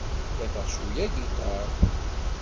Kkateɣ cweyya agiṭar.